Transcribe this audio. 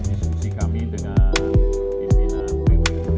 jadi hasil diskusi kami dengan pimpinan bwfb dan bwfb